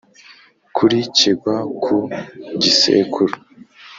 kuri Kigwa ku gisekuru